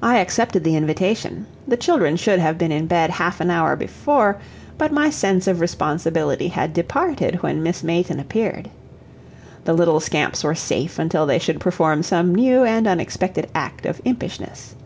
I accepted the invitation; the children should have been in bed half an hour before, but my sense of responsibility had departed when Miss Mayton appeared. The little scamps were safe until they should perform some new and unexpected act of impishness.